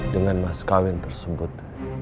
dengan mas kawin tersebut